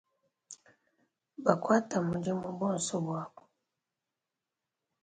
Bakuata mudimu bonso buabo.